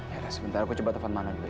ya udah sebentar aku coba telfon mano dulu ya